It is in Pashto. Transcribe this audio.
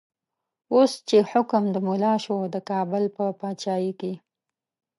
اوس چه حکم د ملا شو، دکابل په پاچایی کی